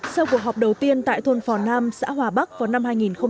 sau cuộc họp đầu tiên tại thôn phò nam xã hòa bắc vào năm hai nghìn một mươi bảy